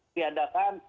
tidak ada kan